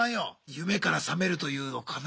夢から覚めるというのかな。